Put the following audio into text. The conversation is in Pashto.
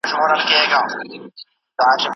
آيا ته هغه لاري پېژنې چي انسان نېکمرغۍ ته رسوي؟